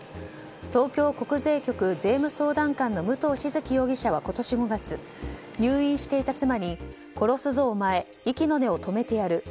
東京国税局税務相談官の武藤静城容疑者は今年５月入院していた妻に殺すぞお前、息の根を止めてやる。